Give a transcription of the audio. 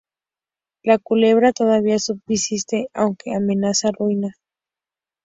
La Culebra todavía subsiste, aunque amenaza ruina.